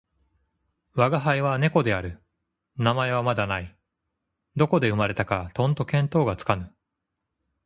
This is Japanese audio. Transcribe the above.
吾輩は猫である。名前はまだない。どこで生れたかとんと見当がつかぬ。